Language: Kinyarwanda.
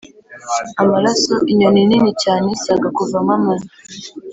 amaraso! inyoni nini cyane! saga kuva mermen